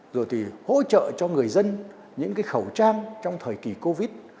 rồi thì hỗ trợ cho người dân những cái khẩu trang trong thời kỳ covid